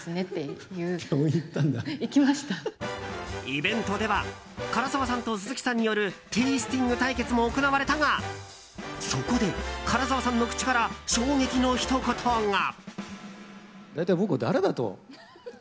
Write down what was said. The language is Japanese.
イベントでは唐沢さんと鈴木さんによるテイスティング対決も行われたがそこで唐沢さんの口から衝撃のひと言が。